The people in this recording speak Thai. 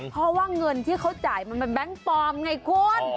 เพราะว่าเงินที่เขาจ่ายมันเป็นแบงค์ปลอมไงคุณ